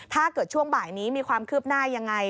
ถ้าเกิดช่วงบ่ายนี้มีความคืบหน้ายังไง